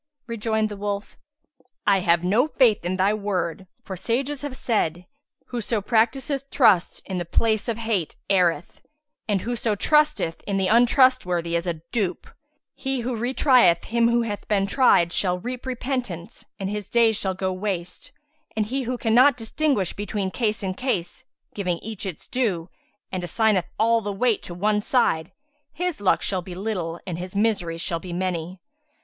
Rejoined the wolf, "I have no faith in thy word, for sages have said, 'Whoso practiseth trust in the place of hate, erreth;' and, 'Whoso trusteth in the untrustworthy is a dupe; he who re trieth him who hath been tried shall reap repentance and his days shall go waste; and he who cannot distinguish between case and case, giving each its due, and assigneth all the weight to one side, his luck shall be little and his miseries shall be many.'